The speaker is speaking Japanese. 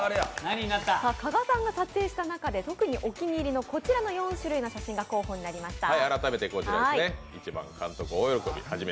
加賀さんが撮影した中で特にお気に入りのこちらの４種類が候補になりました。